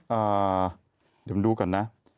อ่าเดี๋ยวมาดูก่อนนะ